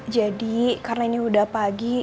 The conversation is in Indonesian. jadi karena ini udah pagi